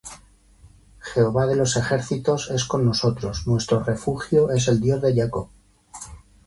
Jehová de los ejércitos es con nosotros; Nuestro refugio es el Dios de Jacob.